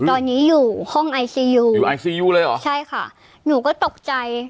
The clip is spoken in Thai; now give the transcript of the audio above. ตอนนี้อยู่ห้องไอซียูอยู่ไอซียูเลยเหรอใช่ค่ะหนูก็ตกใจ